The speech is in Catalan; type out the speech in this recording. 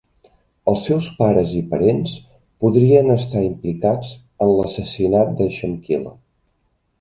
Els seus pares i parents podrien estar implicats en l'assassinat de Chamkila.